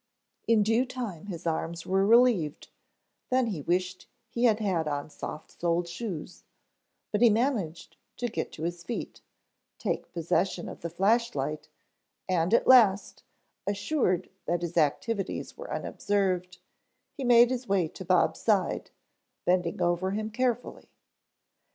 In due time his arms were relieved, then he wished that he had on soft soled shoes, but he managed to get to his feet, take possession of the flash light, and at last, assured that his activities were unobserved, he made his way to Bob's side, bending over him carefully.